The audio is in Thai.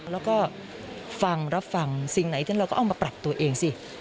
แล้วก็ฟังรับฟังสิ่งไหนที่เราก็เอามาปรับตัวเองสิ